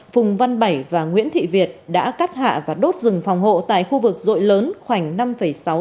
phùng văn bảy và nguyễn thị việt đã cắt hạ và đốt rừng phòng hộ tại khu vực rội lớn khoảng năm sáu m